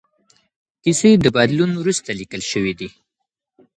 کیسې د بدلون وروسته لیکل شوې دي.